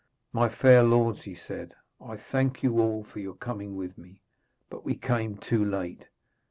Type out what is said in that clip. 'My fair lords,' he said, 'I thank you all for your coming with me, but we came too late.